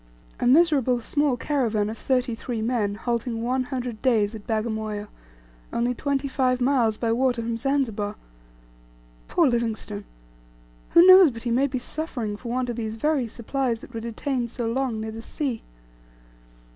A miserable small caravan of thirty three men halting one hundred days at Bagamoyo, only twenty five miles by water from Zanzibar! Poor Livingstone! Who knows but he maybe suffering for want of these very supplies that were detained so long near the sea.